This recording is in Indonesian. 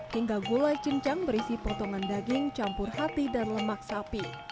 hingga gulai cincang berisi potongan daging campur hati dan lemak sapi